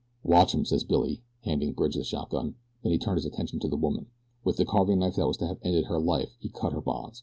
"Watch 'em," said Billy, handing Bridge the shotgun. Then he turned his attention to the woman. With the carving knife that was to have ended her life he cut her bonds.